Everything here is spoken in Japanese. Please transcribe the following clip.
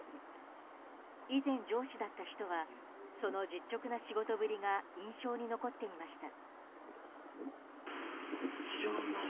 以前、上司だった人はその実直な仕事ぶりが印象に残っていました。